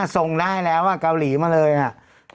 ส่องได้แล้วอ่ะเกาหลีมาเลยน่ะ